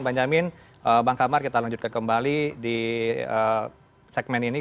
bang jamin bang kamar kita lanjutkan kembali di segmen ini